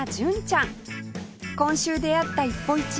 今週出会った一歩一会